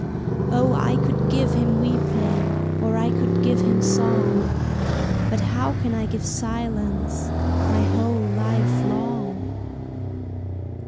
Oh, I could give him weeping, Or I could give him song But how can I give silence, My whole life long?